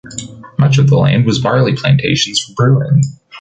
Much of the land was barley plantations for brewing.